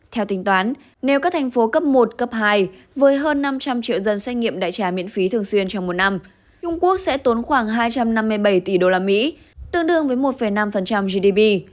theo tính toán nếu các thành phố cấp một cấp hai với hơn năm trăm linh triệu dân xét nghiệm đại trà miễn phí thường xuyên trong một năm trung quốc sẽ tốn khoảng hai trăm năm mươi bảy tỷ usd tương đương với một năm gdp